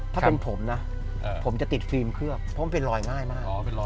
ถ้าเป็นผมนะผมจะติดฟิล์มเคลือบเพราะมันเป็นรอยง่ายมาก